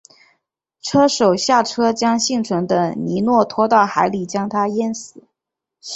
车手下车将幸存的尼诺拖到海里将他淹死。